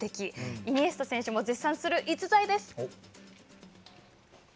イニエスタ選手も絶賛する逸材です。